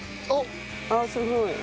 あっすごい。